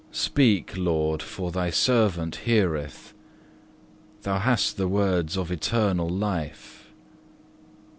Speak, Lord, for Thy servant heareth; Thou hast the words of eternal life.